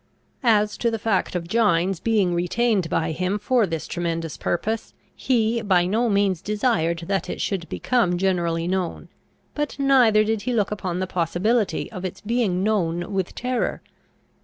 As to the fact of Gines being retained by him for this tremendous purpose, he by no means desired that it should become generally known; but neither did he look upon the possibility of its being known with terror.